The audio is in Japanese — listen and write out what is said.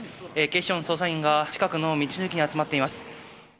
警視庁の捜査員が、近くの道の駅に集まっています。